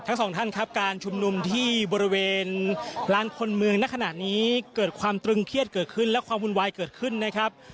ทั้งสองท่านครับการชุมนุมที่บริเวณร้านคนเมืองในขณะนี้เกิดความตรึงเครียดเกิดขึ้นและความวุ่นวายเกิดขึ้นนะครับ